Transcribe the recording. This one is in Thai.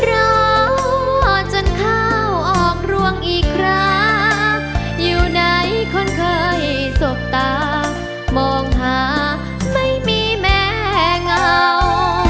รอจนเข้าออกร่วงอีกราอยู่ในคนเคยสกตามองหาไม่มีแม่เงา